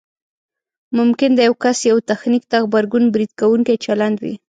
ممکن د یو کس یوه تخنیک ته غبرګون برید کوونکی چلند وي